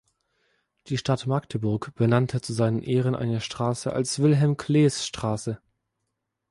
Die Stadt Magdeburg benannte zu seinen Ehren eine Straße als Wilhelm-Klees-Straße.